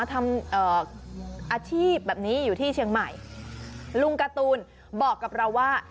เอ่ออาชีพแบบนี้อยู่ที่เชียงใหม่ลุงการ์ตูนบอกกับเราว่า